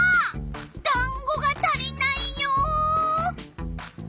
だんごが足りないよ！